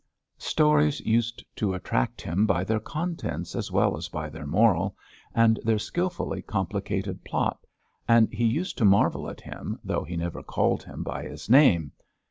Stories used to attract him by their contents as well as by their moral and their skilfully complicated plot, and he used to marvel at him, though he never called him by his name.